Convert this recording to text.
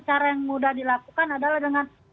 cara yang mudah dilakukan adalah dengan